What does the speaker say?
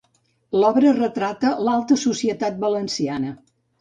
L’obra retrata l’alta societat valenciana.